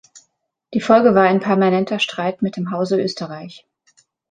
Die Folge war ein permanenter Streit mit dem Hause Österreich.